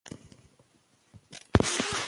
د کرمان له لارې سفر کول خورا ستونزمن و.